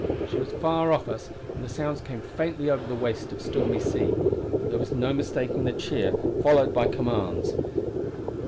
She was far off us, and the sounds came faintly over the waste of stormy sea; but there was no mistaking the cheer followed by commands.